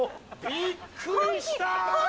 びっくりした。